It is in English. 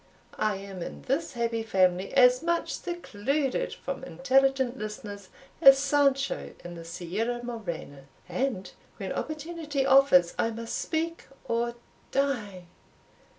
I am in this happy family as much secluded from intelligent listeners as Sancho in the Sierra Morena, and when opportunity offers, I must speak or die.